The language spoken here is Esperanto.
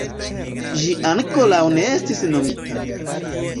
Ĝi ankoraŭ ne estis nomita.